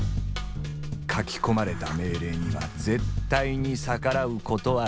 書き込まれた命令には絶対に逆らうことはできない。